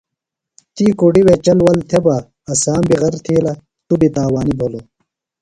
تھی کُڈیۡ وے چل ول تھےۡ بہ اسام بیۡ غر تِھیلہ توۡ بیۡ تاوینیۡ بِھلوۡ۔